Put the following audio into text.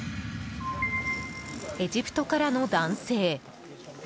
エジプトからの男性。